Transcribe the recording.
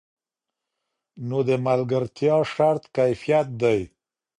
نو د ملګرتیا شرط کیفیت دی.